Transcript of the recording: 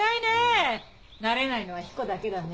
慣れないのは彦だけだね。